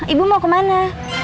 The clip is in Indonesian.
ibu mau kemana